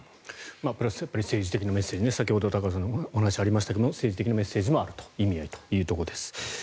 プラス政治的なメッセージ先ほど高橋さんの話にありましたが政治的なメッセージもあると意味合いもということです。